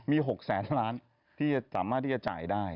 มีหกแสนล้านที่สามารถที่จะจ่ายได้